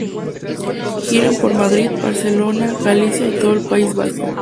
Giran por Madrid, Barcelona, Galicia y todo el País Vasco.